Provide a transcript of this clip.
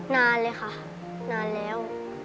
นานเลยค่ะนานแล้ว